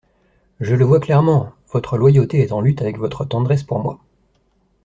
Je le vois clairement … Votre loyauté est en lutte avec votre tendresse pour moi.